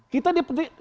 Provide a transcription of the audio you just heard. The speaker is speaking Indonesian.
kita di petik